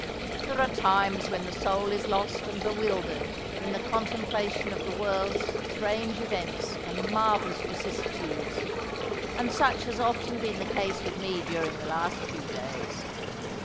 There are times when the soul is lost and bewildered in the contemplation of the world's strange events and marvellous vicissitudes; and such has often been the case with me during the last few days.